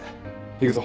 行くぞ。